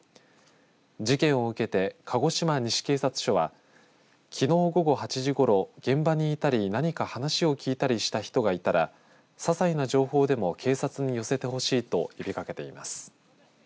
事件を受けて鹿児島西警察署はきのう午後８時ごろ現場にいたり何か話を聞いたりした人がいたらささいな情報でも警察に寄せてほしいと呼びかけています。